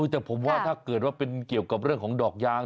แต่ผมว่าถ้าเกิดว่าเป็นเกี่ยวกับเรื่องของดอกยาง